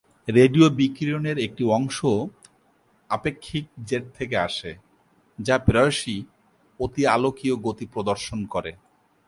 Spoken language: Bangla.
রেডিও বিকিরণের একটি অংশ আপেক্ষিক জেট থেকে আসে, যা প্রায়শই অতিআলোকীয় গতি প্রদর্শন করে।